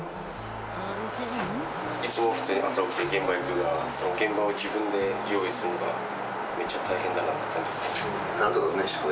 いつも普通に朝起きて現場行くのがその現場を自分で用意するのがめっちゃ大変だなと。